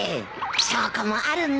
証拠もあるんだ。